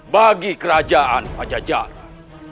bagi kerajaan pajajara